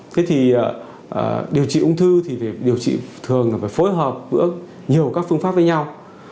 thế thì điều trị ung thư thì điều trị thường là phải phối hợp giữa nhiều các phương pháp với nhau